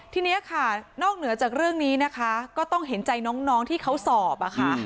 ทีนี้ค่ะนอกเหนือจากเรื่องนี้นะคะก็ต้องเห็นใจน้องที่เขาสอบอะค่ะ